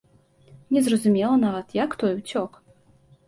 Незразумела нават, як той уцёк.